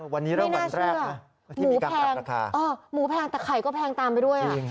ไม่น่าชื่ออ่ะหมูแพงแต่ไข่ก็แพงตามไปด้วยอ่ะ